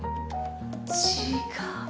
違う。